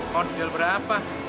hot deal berapa